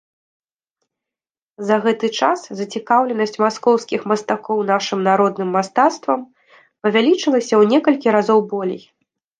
За гэты час зацікаўленасць маскоўскіх мастакоў нашым народным мастацтвам павялічылася ў некалькі разоў болей.